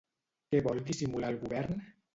Què vol dissimular el govern?